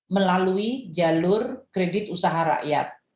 melalui jalur kredit usaha rakyat